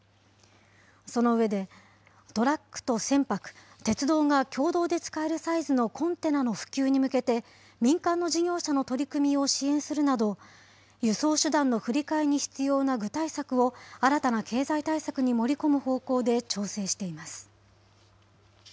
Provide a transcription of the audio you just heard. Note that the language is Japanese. その上で、トラックと船舶、鉄道が共同で使えるサイズのコンテナの普及に向けて、民間の事業者の取り組みを支援するなど、輸送手段の振り替えに必要な具体策を、新たな経済対策に盛り込む方向で調整しています。